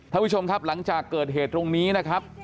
ท่านผู้ชมครับหลังจากเกิดเหตุตรงนี้นะครับ